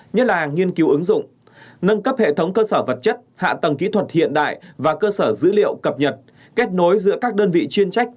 nhất là nghiên cứu ứng dụng nâng cấp hệ thống cơ sở vật chất hạ tầng kỹ thuật hiện đại và cơ sở dữ liệu cập nhật kết nối giữa các đơn vị chuyên trách